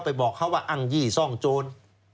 บอกเขาว่าอ้างยี่ซ่องโจร